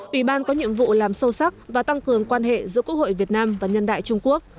ủy ban có nhiệm vụ làm sâu sắc và tăng cường quan hệ giữa quốc hội việt nam và nhân đại trung quốc